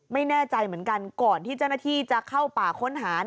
ไม่แน่ใจเหมือนกันก่อนที่เจ้าหน้าที่จะเข้าป่าค้นหา